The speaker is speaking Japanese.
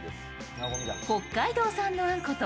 北海道産のあんこと